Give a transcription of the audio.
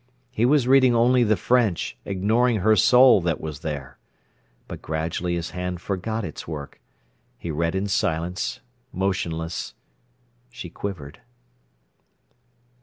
He was reading only the French, ignoring her soul that was there. But gradually his hand forgot its work. He read in silence, motionless. She quivered.